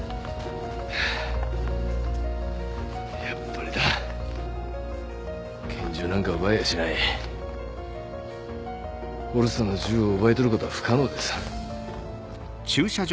やっぱりだ拳銃なんか奪えやしないホルスターの銃を奪い取ることは不可能です